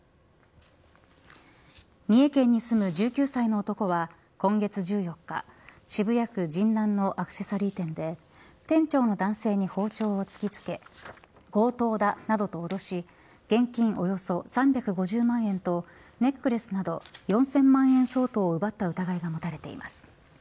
三重県に住む１９歳の男は今月１４日渋谷区神南のアクセサリー店で店長の男性に包丁を突き付け強盗だなどと脅し現金およそ３５０万円とネックレスなど４０００万円相当を奪った疑いが持たれています。